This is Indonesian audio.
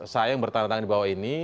saya yang bertandatangan di bawah ini